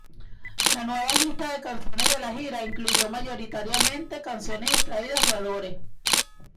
La nueva lista de canciones de la gira incluyó mayoritariamente canciones extraídas de "Adore".